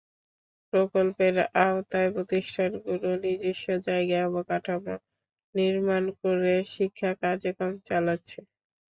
প্রকল্পের আওতায় প্রতিষ্ঠানগুলো নিজস্ব জায়গায় অবকাঠামো নির্মাণ করে শিক্ষা কার্যক্রম চালাচ্ছে।